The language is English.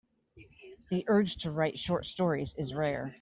The urge to write short stories is rare.